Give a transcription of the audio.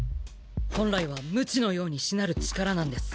本来はムチのようにしなる力なんです。